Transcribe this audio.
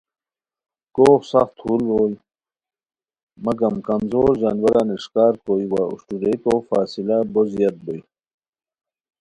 کوغ سخت تھول بوئے مگم کمزور ژانواران اِݰکار کوئے وا اوشٹورئیکو فاصلہ بو زیاد بوئے